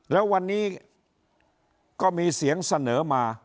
แล้ววันนี้ก็มีเสียงเสนอมา